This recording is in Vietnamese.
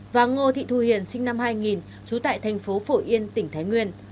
và ngô thị thu hiền sinh năm hai nghìn trú tại thành phố phổ yên tỉnh thái nguyên